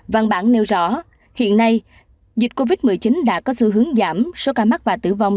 văn bản nêu rõ hiện nay dịch covid một mươi chín đã có xu hướng giảm số ca mắc và tử vong